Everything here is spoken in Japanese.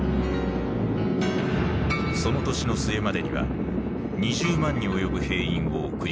その年の末までには２０万に及ぶ兵員を送り込む。